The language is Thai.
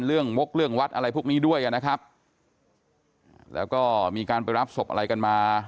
มกเรื่องวัดอะไรพวกนี้ด้วยนะครับแล้วก็มีการไปรับศพอะไรกันมา